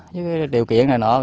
chứ điều kiện này nọ